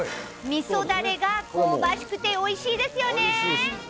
みそだれが香ばしくておいしいですよね。